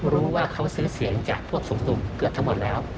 รู้ว่าเขาซื้อเสียงจากพวกสูงเกือบทั้งหมดแล้ว